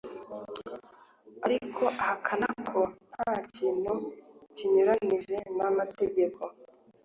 ariko ahakana ko nta kintu kinyuranyije n'amategeko